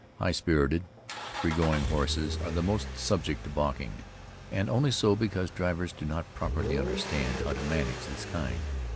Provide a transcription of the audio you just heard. High spirited, free going horses are the most subject to balking, and only so because drivers do not properly understand how to manage this kind.